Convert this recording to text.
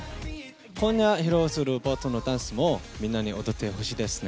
今夜披露するダンスもみんなに踊ってほしいですね。